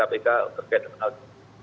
saya berpikir bahwa saya akan menolak